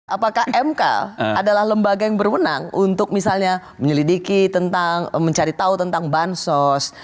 apakah mk adalah lembaga yang berwenang untuk misalnya menyelidiki tentang mencari tahu tentang bansos